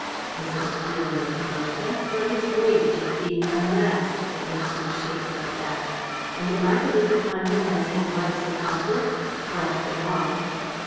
"Is it a feeling of protest or his rage at being unmasked that makes him shake like that? And am I to look upon him as his wife's accomplice? For, after all.